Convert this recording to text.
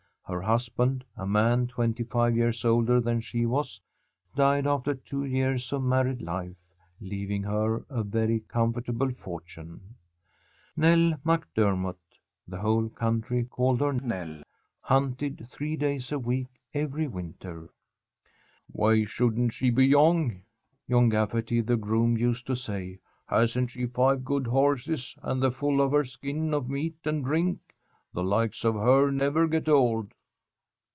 Her husband, a man twenty five years older than she was, died after two years of married life, leaving her a very comfortable fortune. Nell MacDermott the whole country called her Nell hunted three days a week every winter. "Why shouldn't she be young?" John Gafferty, the groom, used to say. "Hasn't she five good horses and the full of her skin of meat and drink? The likes of her never get old."